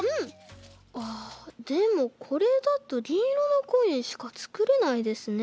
あっでもこれだとぎんいろのコインしかつくれないですね。